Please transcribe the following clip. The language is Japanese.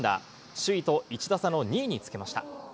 首位と１打差の２位につけました。